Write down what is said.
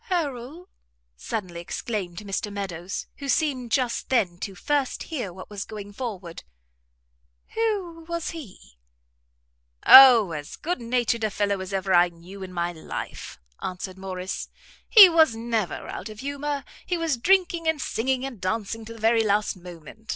"Harrel?" suddenly exclaimed Mr Meadows, who seemed just then to first hear what was going forward, "who was he?" "O, as good natured a fellow as ever I knew in my life," answered Morrice; "he was never out of humour; he was drinking and singing and dancing to the very last moment.